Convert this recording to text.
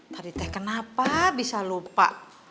tari teh kenapa bisa lupa